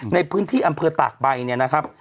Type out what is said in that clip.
ในพื้นที่อำเภอตากใบเนี่ยนะครับ